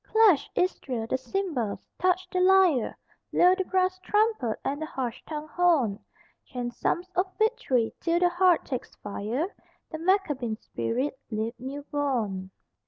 Clash, Israel, the cymbals, touch the lyre, Blow the brass trumpet and the harsh tongued horn; Chant psalms of victory till the heart takes fire, The Maccabean spirit leap new born.